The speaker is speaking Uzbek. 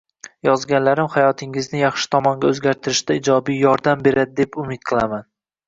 Yozganlarim hayotingizni yaxshi tomonga o’zgartirishda ijobiy yordam beradi deb umid qilaman